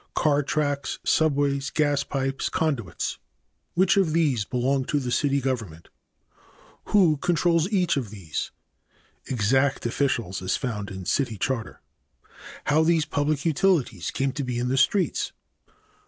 7. Car tracks. 8. Subways. 9. Gas pipes. 10. Conduits. A. Which of these belong to the city government? B. Who controls each of these? (Exact officials as found in city charter.) C. How these public utilities came to be in the streets.